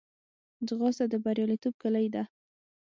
ځغاسته د بریالیتوب کلۍ ده